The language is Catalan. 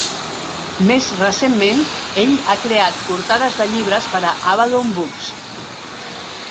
Més recentment, ell ha creat portades de llibres per a Abaddon Books.